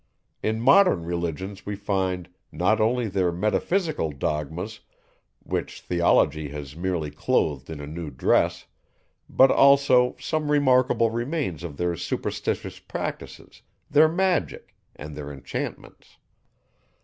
In modern Religions we find, not only their metaphysical dogmas, which theology has merely clothed in a new dress, but also some remarkable remains of their superstitious practices, their magic, and their enchantments.